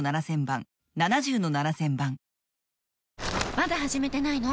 まだ始めてないの？